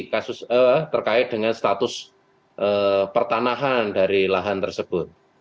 kasus terkait dengan status pertanahan dari lahan tersebut